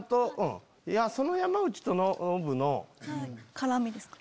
絡みですか？